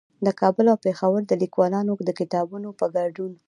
د کابل او پېښور د ليکوالانو د کتابونو په ګډون